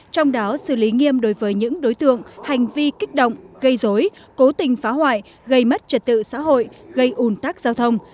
trong đó xử lý nghiêm đối với những đối tượng hành vi kích động gây dối cố tình phá hoại gây mất trật tự xã hội gây ủn tắc giao thông